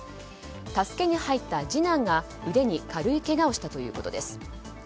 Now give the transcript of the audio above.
助けに入った次男が腕に軽いけがをしたということです。